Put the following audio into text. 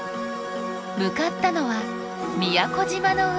向かったのは宮古島の海。